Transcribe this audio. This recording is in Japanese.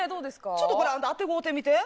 ちょっとこれあんたあてごうてみて。